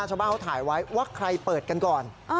ชาวบ้านเขาถ่ายไว้ว่าใครเปิดกันก่อน